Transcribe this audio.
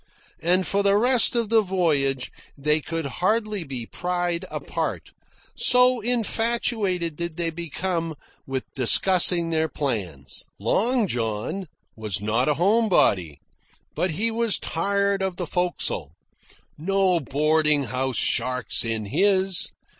And for the rest of the voyage they could hardly be pried apart, so infatuated did they become with discussing their plans. Long John was not a home body. But he was tired of the forecastle. No boarding house sharks in his.